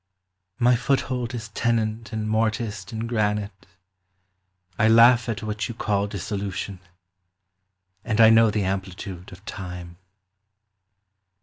••«•<«• My foothold is tenoned and mortised in granite, I laugh at what you call dissolution, And I know the amplitude of time.